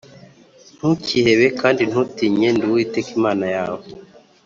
Ntukihebe kandi ntutinye ndi uwiteka imana yawe